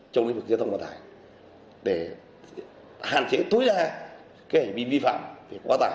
trong lĩnh vực giao thông vận tải để hạn chế tối đa hành vi vi phạm về quá tải